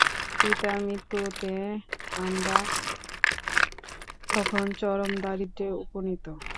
পিতার মৃত্যুতে আমরা তখন চরম দারিদ্র্যে উপনীত।